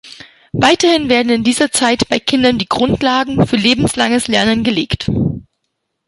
Weiterhin werden in dieser Zeit bei Kindern die Grundlagen für lebenslanges Lernen gelegt.